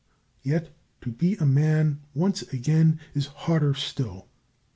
Yet to be a man once again is harder still.